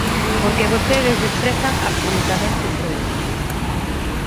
Porque vostedes desprezan absolutamente todo.